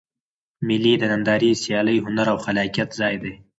مېلې د نندارې، سیالۍ، هنر او خلاقیت ځای دئ.